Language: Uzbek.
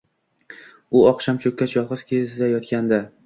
U oqshom cho‘kkach yolg‘iz kezayotgandi.